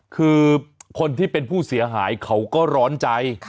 คือคนที่เป็นผู้เสียหายเขาก็ร้อนใจ